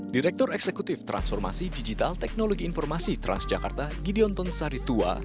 direktur eksekutif transformasi digital teknologi informasi transjakarta gideon tonsaritua